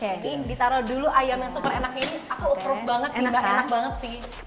ini ditaruh dulu ayam yang super enaknya ini aku approve banget nih mbak enak banget sih